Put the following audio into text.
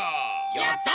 やった！